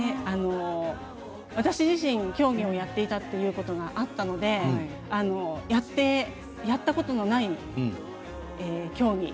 私自身、競技をやっていたということがあったのでやったことがない競技。